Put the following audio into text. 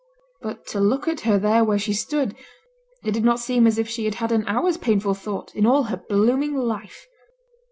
But to look at her there where she stood, it did not seem as if she had had an hour's painful thought in all her blooming life.